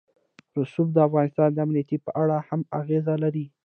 رسوب د افغانستان د امنیت په اړه هم اغېز لري.